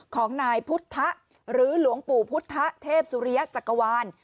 ของนายพุทธะหรือหลวงปู่พุทธเทพสุริยจักรวาล